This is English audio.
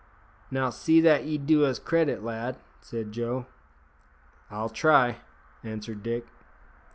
"Now, see that ye do us credit, lad," said Joe. "I'll try," answered Dick.